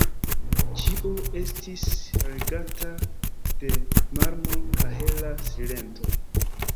Ĉio estis regata de marmor-kahela silento.